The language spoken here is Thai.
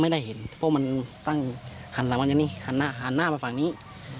ไม่ได้เห็นเพราะมันตั้งหันหน้ามาฝั่งนี้